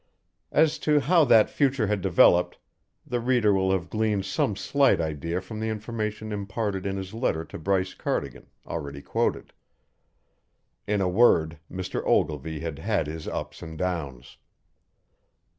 As to how that future had developed, the reader will have gleaned some slight idea from the information imparted in his letter to Bryce Cardigan, already quoted. In a word, Mr. Ogilvy had had his ups and downs.